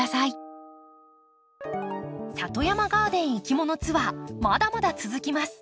里山ガーデンいきものツアーまだまだ続きます。